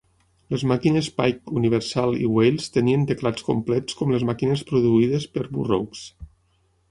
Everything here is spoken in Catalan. Les màquines Pike, Universal i Wales tenien teclats complets com les màquines produïdes per Burroughs.